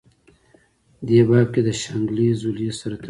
دې باب کې دَشانګلې ضلعې سره تړلي